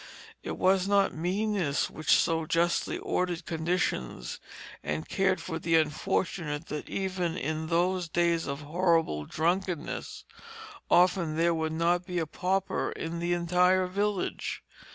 It was not meanness which so justly ordered conditions and cared for the unfortunate that even in those days of horrible drunkenness often there would not be a pauper in the entire village.